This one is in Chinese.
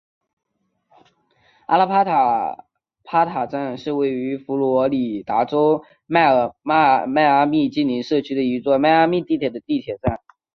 阿拉帕塔站是位于佛罗里达州迈阿密近邻社区的一座迈阿密地铁的地铁站。